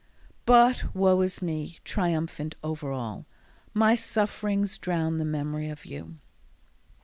But, woe is me! triumphant over all, My sufferings drown the memory of you.